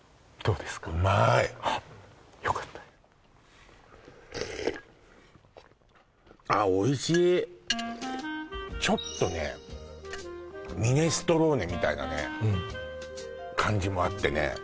うまーいよかったあっおいしいちょっとねミネストローネみたいな感じもあってね